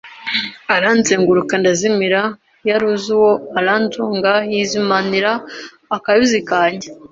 Aranzenguruka ndazimira yaruzi uwo aranzonga Yizimanira akayuzi kange